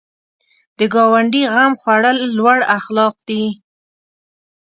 د ګاونډي غم خوړل لوړ اخلاق دي